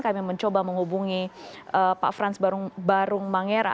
kami mencoba menghubungi pak frans barung mangera